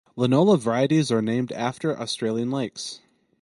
Linola varieties are named after Australian lakes.